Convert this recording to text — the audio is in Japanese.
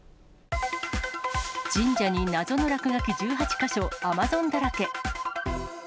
神社に謎の落書き１８か所、Ａｍａｚｏｎ！だらけ。